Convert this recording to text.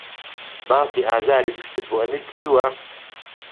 باسی ئازاری پشتتت بۆ ئەمیر کردووە؟